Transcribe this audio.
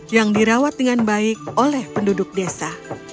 yang dirawat dengan baik oleh penduduk desa